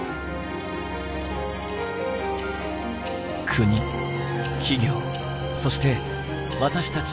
国企業そして私たち